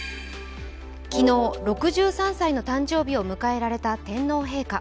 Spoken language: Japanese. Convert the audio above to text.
昨日、６３歳の誕生日を迎えられた天皇陛下。